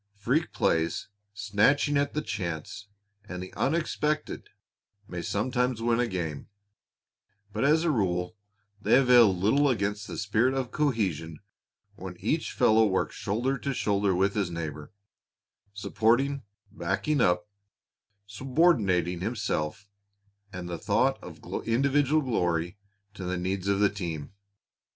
Freak plays, snatching at chance and the unexpected, may sometimes win a game, but as a rule they avail little against the spirit of cohesion when each fellow works shoulder to shoulder with his neighbor, supporting, backing up, subordinating himself and the thought of individual glory to the needs of the team.